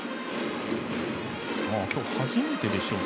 今日初めてでしょうか